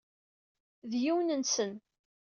D yiwen-nsen.